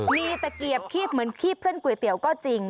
มีตะเกียบคีบเหมือนคีบเส้นก๋วยเตี๋ยวก็จริง